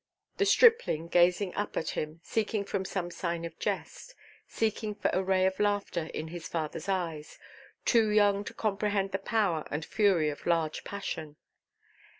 The stripling gazing up at him, seeking for some sign of jest, seeking for a ray of laughter in his fatherʼs eyes; too young to comprehend the power and fury of large passion.